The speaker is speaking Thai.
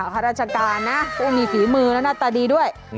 ข้าราชการนะก็มีฝีมือและหน้าตาดีด้วย